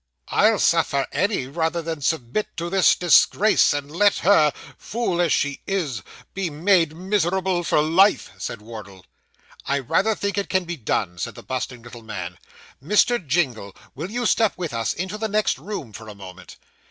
'I'll suffer any, rather than submit to this disgrace, and let her, fool as she is, be made miserable for life,' said Wardle. 'I rather think it can be done,' said the bustling little man. 'Mr. Jingle, will you step with us into the next room for a moment?